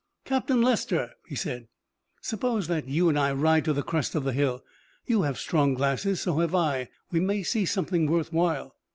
"Captain Lester," he said, "suppose that you and I ride to the crest of the hill. You have strong glasses, so have I, and we may see something worth while.